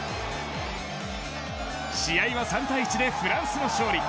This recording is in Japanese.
試合は３対１でフランスの勝利。